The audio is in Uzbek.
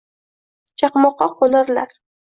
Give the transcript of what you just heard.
Chaqmoqqa qoʻnarlar –